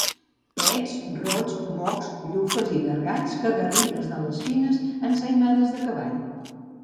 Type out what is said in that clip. Pets, rots, mocs, llufes i gargalls, cagarrines de les fines, ensaïmades de cavall.